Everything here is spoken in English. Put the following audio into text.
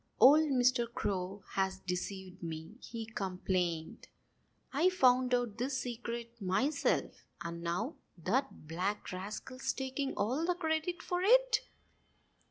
"Old Mr. Crow has deceived me!" he complained. "I found out this secret myself. And now that black rascal's taking all the credit for it."